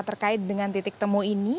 terkait dengan titik temu ini